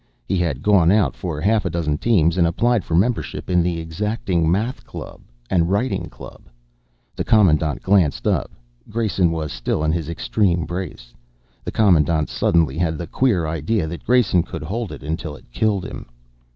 He had gone out for half a dozen teams and applied for membership in the exacting Math Club and Writing Club. The Commandant glanced up; Grayson was still in his extreme brace. The Commandant suddenly had the queer idea that Grayson could hold it until it killed him.